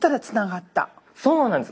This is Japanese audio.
そうなんです。